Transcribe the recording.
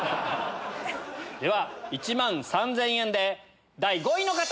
では１万３０００円で第５位の方！